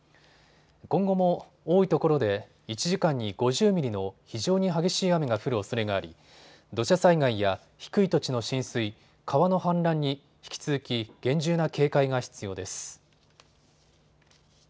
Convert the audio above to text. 今後も多いところで１時間に５０ミリの非常に激しい雨が降るおそれがあり土砂災害や低い土地の浸水、川の氾濫に引き続き厳重な警戒が必要です。